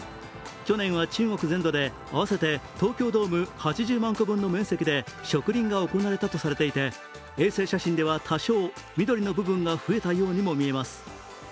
去年は、中国全土で合わせて東京ドーム８０万個分の面積で植林が行われたとされていて衛星写真では多少、緑の部分が増えたようにも見えます。